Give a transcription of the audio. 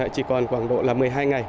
chỉ còn khoảng độ là một mươi hai ngày